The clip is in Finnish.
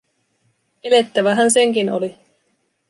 Elettävähän senkin oli.